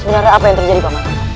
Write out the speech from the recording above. sebenarnya apa yang terjadi pak